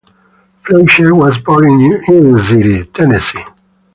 Fleisher was born in Union City, Tennessee.